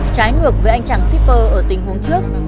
trái ngược với anh chẳng shipper ở tình huống trước